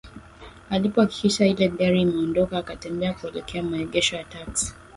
Alipohakikisha ile gari imeondoka akatembea kuelekea maegesho ya taksi